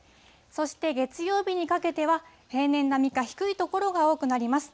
そして月曜日にかけては、平年並みか、低い所が多くなります。